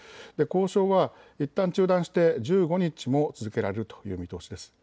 交渉はいったん中断して１５日も続けられるという見通しです。